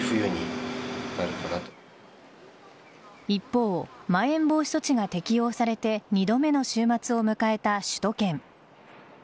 一方、まん延防止措置が適用されて２度目の週末を迎えた首都圏。